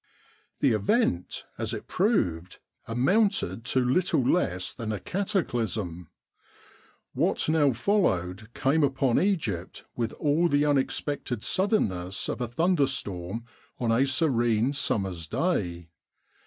The event, as it proved, amounted to little less than a cataclysm. What now followed came upon Egypt with all the unexpected suddenness of a thunderstorm on a serene summer's day.